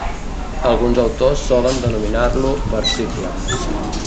Alguns autors solen denominar-lo versicle.